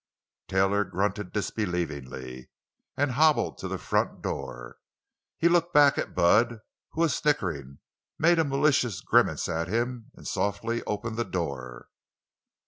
Taylor grunted disbelievingly, and hobbled to the front door. He looked back at Bud, who was snickering, made a malicious grimace at him, and softly opened the door.